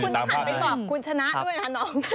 คุณต้องหันไปบอกคุณชนะด้วยนะน้อง